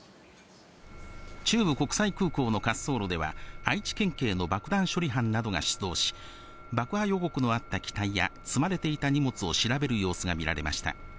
中部国際空港の滑走路では、愛知県警の爆弾処理班などが出動し、爆破予告のあった機体や、積まれていた荷物を調べる様子が見られました。